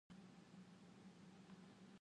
alat yang dapat meredam bunyi pistol